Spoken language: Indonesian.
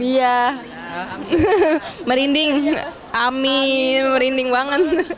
iya merinding amin merinding banget